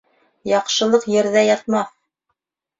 Яҡшылыҡ ерҙә ятмаҫ.